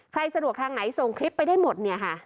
สะดวกทางไหนส่งคลิปไปได้หมดเนี่ยค่ะ